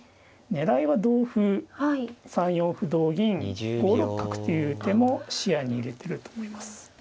狙いは同歩３四歩同銀５六角という手も視野に入れてると思います。